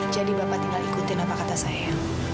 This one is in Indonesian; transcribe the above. bapak tinggal ikutin apa kata saya